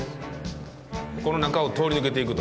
この中を通り抜けていくと。